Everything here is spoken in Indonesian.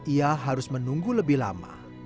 ia harus menunggu lebih lama